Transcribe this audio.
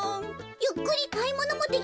ゆっくりかいものもできなかったぞ。